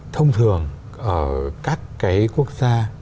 thông thường các cái quốc gia